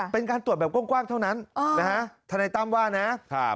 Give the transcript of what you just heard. เป็นการตรวจแบบก้วงกว้างเท่านั้นธนัยตั้มว่านะ